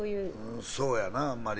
そうやな、あんまり。